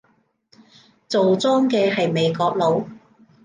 做莊嘅係美國佬